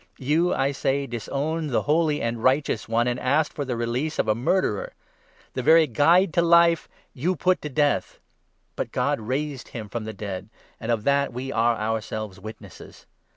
You, I say, disowned the 14 Holy and Righteous One, and asked for the release of a murderer ! The very Guide to Life you put to death ! But 15 God raised him from the dead — and of that we are ourselves witnesses.